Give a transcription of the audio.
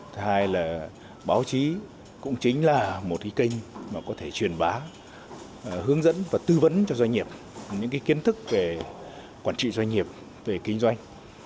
thứ hai là báo chí cũng chính là một cái kênh mà có thể truyền bá hướng dẫn và tư vấn cho doanh nghiệp những kiến thức về quản trị doanh nghiệp về kinh doanh